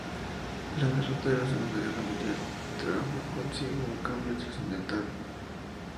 La derrota en la Segunda Guerra Mundial trajo consigo un cambio trascendental.